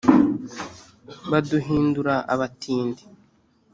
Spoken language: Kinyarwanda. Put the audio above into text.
baduhindura abatindi,